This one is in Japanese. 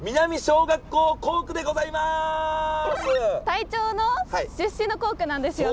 なんと隊長の出身の校区なんですよね。